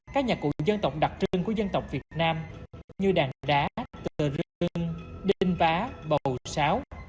các nhà cụ dân tộc đặc trưng của dân tộc việt nam như đàn đá tờ rương đinh vá bầu sáo